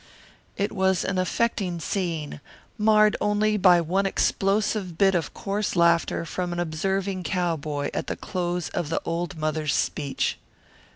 It was an affecting scene, marred only by one explosive bit of coarse laughter from an observing cowboy at the close of the old mother's speech.